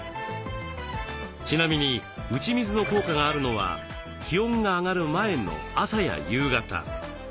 ちなみに打ち水の効果があるのは気温が上がる前の朝や夕方。